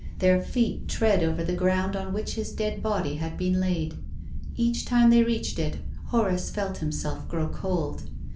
Their feet trod over the ground on which his dead body had been laid. Each time they reached it Horace felt himself grow cold.